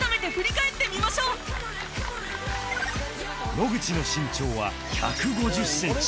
野口の身長は１５０センチ